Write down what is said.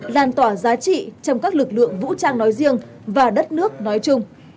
làn tỏa giá trị trong các lực lượng vũ trang nói riêng và đất nước nói chung